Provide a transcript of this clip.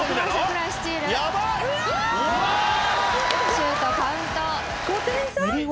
シュートカウント。